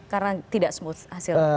karena tidak smooth hasilnya